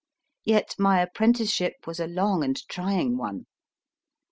Yet my apprentice ship was a long and trying one.